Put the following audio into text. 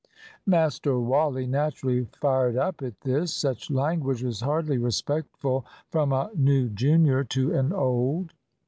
Master Wally naturally fired up at this. Such language was hardly respectful from a new junior to an old.